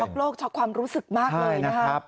ช็อกโลกช็อกความรู้สึกมากเลย